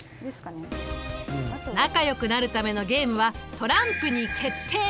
仲良くなるためのゲームはトランプに決定！